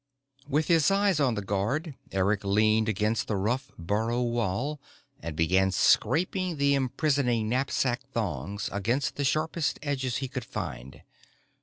With his eyes on the guard, Eric leaned against the rough burrow wall and began scraping the imprisoning knapsack thongs against the sharpest edges he could find.